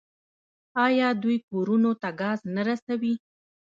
آیا دوی کورونو ته ګاز نه رسوي؟